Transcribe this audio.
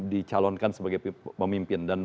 dicalonkan sebagai pemimpin dan